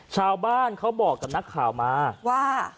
ชาวบ้านเขาบอกกับนักข่าวมาว่า